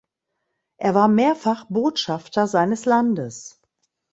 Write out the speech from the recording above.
Er war mehrfach Botschafter seines Landes.